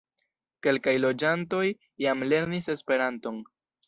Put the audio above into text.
Kelkaj loĝantoj jam lernis Esperanton.